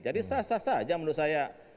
jadi sasa saja menurut saya